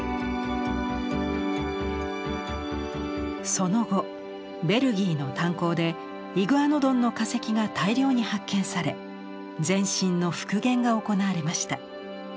その後ベルギーの炭鉱でイグアノドンの化石が大量に発見され全身の復元が行われました。